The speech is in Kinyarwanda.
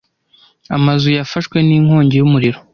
Amazu yafashwe n'inkongi y'umuriro.